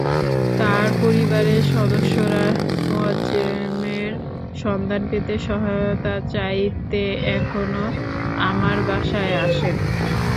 তার পরিবারের সদস্যরা মোয়াজ্জেমের সন্ধান পেতে সহায়তা চাইতে এখনো আমার বাসায় আছেন।